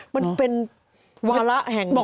มันเป็นวาระแห่ง